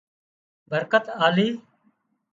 برڪت آلي